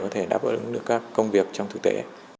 có thể đáp ứng được các công việc trong thực tế